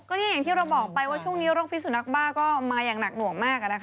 นี่อย่างที่เราบอกไปว่าช่วงนี้โรคพิสุนักบ้าก็มาอย่างหนักหน่วงมาก